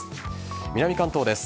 南関東です。